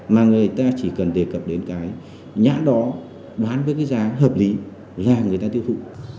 mà người ta chỉ cần đề cập đến cái nhãn đó bán với cái giá hợp lý ra người ta tiêu thụ